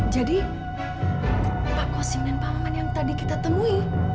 jadi bang kosim dan bang maman yang tadi kita temui